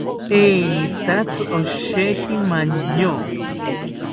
Enitatzi osheki maño